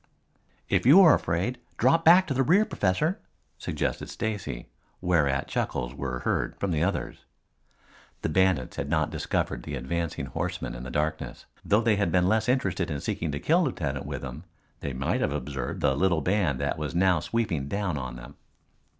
"If you are afraid, drop back to the rear, Professor," suggested Stacy, whereat chuckles were heard from the others. The bandits had not discovered the advancing horsemen in the darkness, though had they been less interested in seeking to kill Lieutenant Withem they might have observed the little band that was now sweeping down on them.